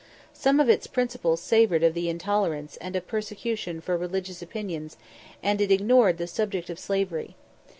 Some of its principles savoured of intolerance, and of persecution for religious opinions, and it ignored the subject of slavery.